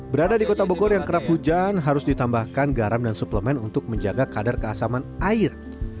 berada di kota bogor yang kerap hujan harus ditambahkan garam dan suplemen untuk menjaga kadar keasaman air